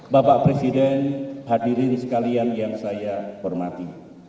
bapak presiden hadirin sekalian yang saya hormati